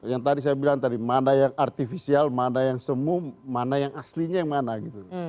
yang tadi saya bilang tadi mana yang artifisial mana yang semu mana yang aslinya yang mana gitu